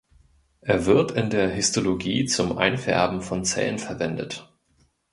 Er wird in der Histologie zum Einfärben von Zellen verwendet.